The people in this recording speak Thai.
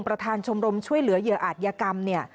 ประธานชมรมช่วยเหลือเหยื่ออาจยกรรมเนี่ย